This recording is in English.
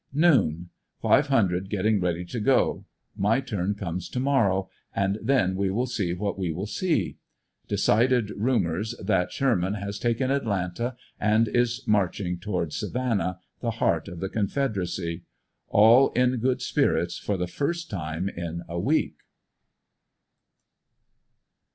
Noon. — Five hundred getting ready to go; my turn comes to morrow, and then we will see what we will see. Decided rumors that Sherman has taken Atlanta and is marching toward Savannah, the heart of the Confederacy. All in good spirits for the first time in a week.